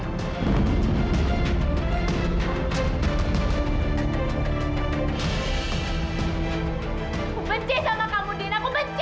aku benci sama kamu dina aku benci